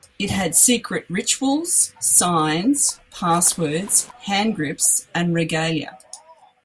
It had secret rituals, signs, passwords, hand grips and regalia.